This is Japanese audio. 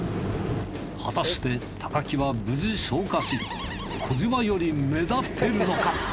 果たして木は無事消火し児嶋より目立てるのか！？